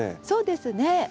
そうですね。